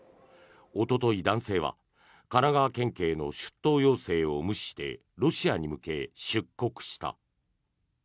おととい、男性は神奈川県警の出頭要請を無視してロシアに向け出国した。